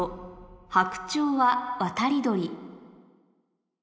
「ハクチョウは渡り鳥」